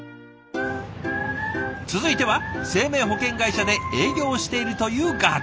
続いては生命保険会社で営業をしているという画伯。